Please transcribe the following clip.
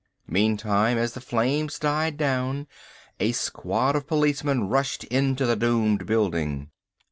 Meantime, as the flames died down, a squad of policemen rushed into the doomed building.